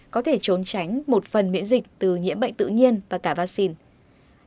có thể trốn tránh một phần miễn dịch từ nhiễm bệnh tự nhiên và cả vaccine